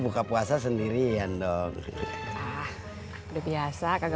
bukan yang ini abang